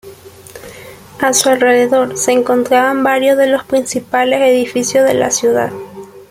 A su alrededor, se encuentran varios de los principales edificios de la ciudad.